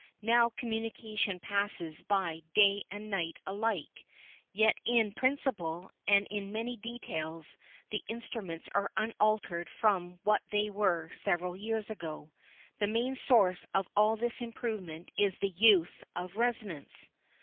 Now communication passes by day and night alike. Yet in principle, and in many details, the instruments are unaltered from what they were several years ago. The main source of all this improvement is the use of resonance.